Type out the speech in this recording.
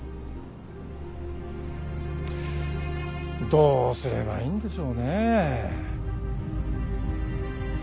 どうすればいいんでしょうねえ。